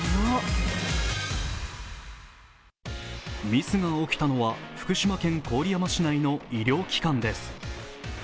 ミスが起きたのは、福島県郡山市内の医療機関です。